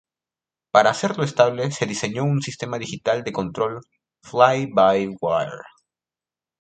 Para hacerlo estable se diseñó un sistema digital de control fly-by-wire.